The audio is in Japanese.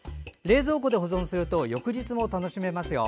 冷蔵庫で保存すると翌日も楽しめますよ。